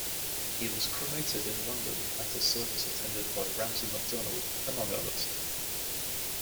He was cremated in London at a service attended by Ramsay MacDonald among others.